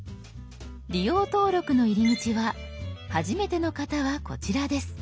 「利用登録」の入り口は「はじめての方はこちら」です。